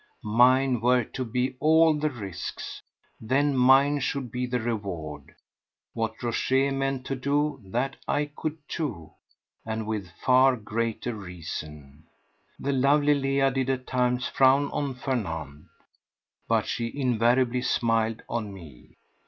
Mine were to be all the risks; then mine should be the reward! What Rochez meant to do, that I could too, and with far greater reason. The lovely Leah did at times frown on Fernand; but she invariably smiled on me.